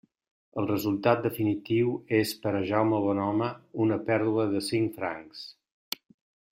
El resultat definitiu és per a Jaume Bonhome una pèrdua de cinc francs.